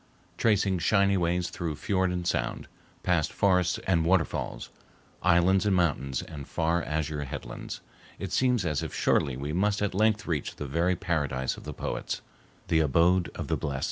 Tracing shining ways through fiord and sound, past forests and waterfalls, islands and mountains and far azure headlands, it seems as if surely we must at length reach the very paradise of the poets, the abode of the blessed.